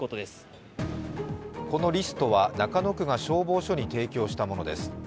このリストは、中野区が消防署に提供したものです。